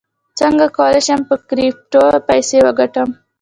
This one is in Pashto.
څنګه کولی شم په کریپټو پیسې وګټم